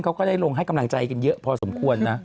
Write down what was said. ก็ได้ลงให้กำลังใจกันเยอะพอสมควรนะ